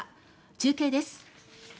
中継です。